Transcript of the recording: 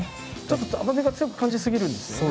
ちょっと甘みが強く感じ過ぎるんですよね。